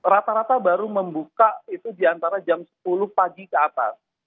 rata rata baru membuka itu di antara jam sepuluh pagi ke atas